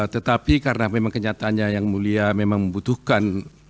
tetapi karena memang kenyataannya yang mulia memang membutuhkan